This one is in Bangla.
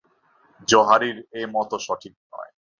জওহারীর এ মতও সঠিক নয়।